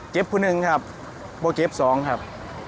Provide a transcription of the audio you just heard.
เก็บผู้หนึ่งครับพร้อมเก็บสองครับ